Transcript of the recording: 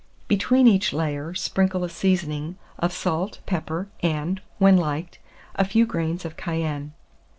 Between each layer sprinkle a seasoning of salt, pepper, and, when liked, a few grains of cayenne.